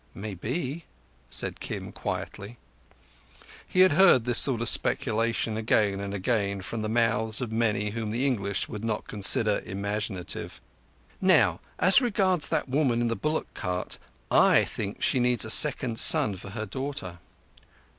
"Maybe," said Kim quietly. He had heard this sort of speculation again and again, from the mouths of many whom the English would not consider imaginative. "Now, as regards that woman in the bullock cart. I think she needs a second son for her daughter."